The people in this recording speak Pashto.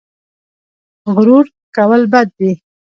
غرور کول بد دي